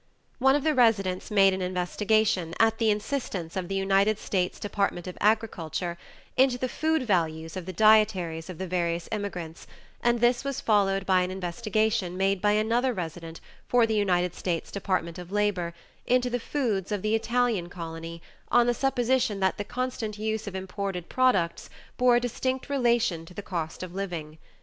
One of the residents made an investigation, at the instance of the United States Department of Agriculture, into the food values of the dietaries of the various immigrants, and this was followed by an investigation made by another resident, for the United States Department of Labor, into the foods of the Italian colony, on the supposition that the constant use of imported products bore a distinct relation to the cost of living.